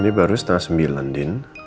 ini baru setengah sembilan din